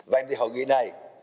vậy thì họ ghi này